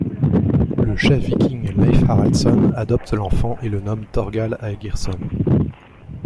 Le chef viking, Leif Haraldson, adopte l'enfant et le nomme Thorgal Aegirsson.